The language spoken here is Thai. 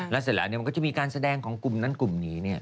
แล้วเสร็จแล้วมันก็จะมีการแสดงของกลุ่มนั้นกลุ่มนี้